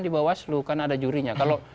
di bawah selu karena ada jurinya kalau